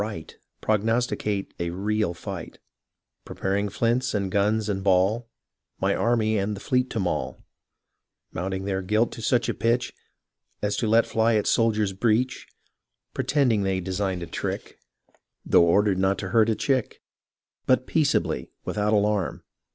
Right, Prognosticate a real fight ; Preparing flints, and guns and ball, My army and the fleet to maul ; Mounting their guilt to such a pitch As to let fly at soldier's breech, Pretending they designed a trick Tho' ordered not to hurt a chick ; But peaceably, without alarm.